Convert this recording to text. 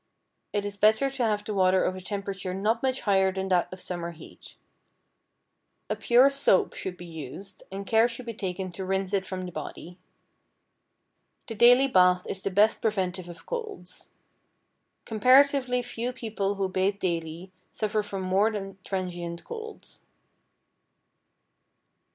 It is better to have the water of a temperature not much higher than that of summer heat. A pure soap should be used, and care should be taken to rinse it from the body. The daily bath is the best preventive of colds. Comparatively few people who bathe daily suffer from more than transient colds.